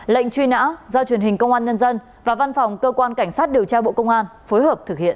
lệnh truy nã do truyền hình công an nhân dân và văn phòng cơ quan cảnh sát điều tra bộ công an phối hợp thực hiện